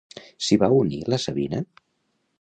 S'hi va unir la Sabina?